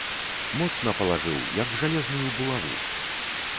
Моцна палажыў, як жалезную булаву.